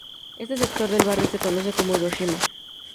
Este sector del barrio se conoce como "Hiroshima".